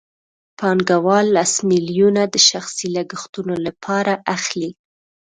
پانګوال لس میلیونه د شخصي لګښتونو لپاره اخلي